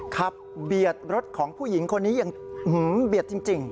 เบียดรถของผู้หญิงคนนี้อย่างเบียดจริง